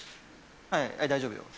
はい大丈夫よ。